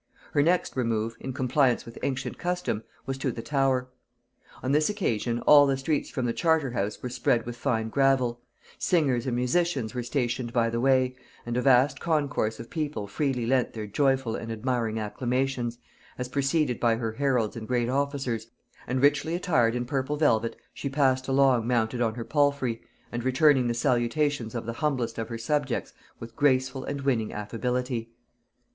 Her next remove, in compliance with ancient custom, was to the Tower. On this occasion all the streets from the Charterhouse were spread with fine gravel; singers and musicians were stationed by the way, and a vast concourse of people freely lent their joyful and admiring acclamations, as preceded by her heralds and great officers, and richly attired in purple velvet, she passed along mounted on her palfrey, and returning the salutations of the humblest of her subjects with graceful and winning affability.